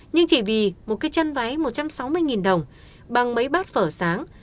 nhưng chỉ vì một cái chân váy một trăm sáu mươi đồng bằng mấy bát phở sáng